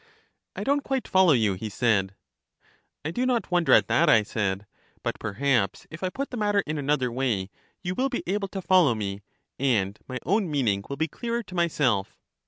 I don't quite follow you, he said. I do not wonder at that, I said. But perhaps, if I put the matter in another way, you will be able to follow me, and my own meaning will be clearer to myself.